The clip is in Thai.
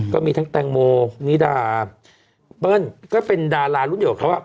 ก็มีทั้งแตงโมนิดาเปิ้ลก็เป็นดารารุ่นเดียวกับเขา